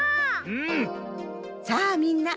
うん。